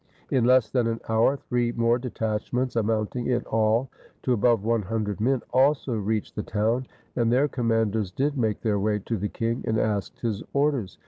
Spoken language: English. In less than an hour three more detachments, amounting in all to above one hundred men, also reached the town ; and their commanders did make their way to the king, and asked his orders.